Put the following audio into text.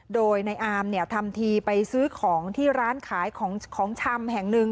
โดยในอามเนี่ยทำทีไปซื้อของที่ร้านขายของชำแห่งหนึ่ง